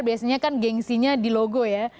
biasanya kan gengsinya di logo ya